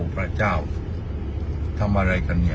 พระเจ้าทำอะไรกันเนี่ย